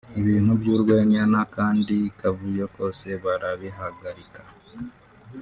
ibintu by'urwenya n'akandi kavuyo kose barabihagarika